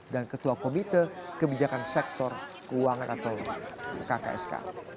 dan ketua komite kebijakan sektor keuangan atau kksk